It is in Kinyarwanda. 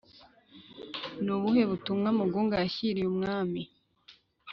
Ni ibuhe butumwa mugunga yashyiriye umwami